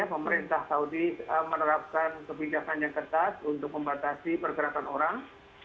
pemerintah saudi menerapkan kebijakan yang ketat untuk membatasi pergerakan orang